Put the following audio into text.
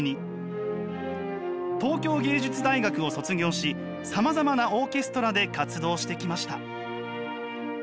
東京藝術大学を卒業しさまざまなオーケストラで活動してきました。